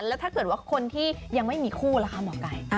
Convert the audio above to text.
แล้วถ้าเกิดว่าคนที่ยังไม่มีคู่ล่ะคะหมอไก่